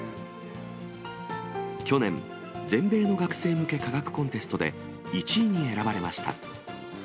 去年、全米の学生向け科学コンテストで１位に選ばれました。